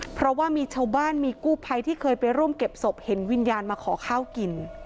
เพราะว่ามีชาวบ้านมีกู้ภัยที่เคยไปร่วมเก็บศพเห็นวิญญาณมาขอข้าวกิน